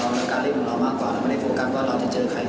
แล้วก็การเล่นของเรามากกว่าแล้วไม่ได้โฟกัสว่าเราจะเจอใคร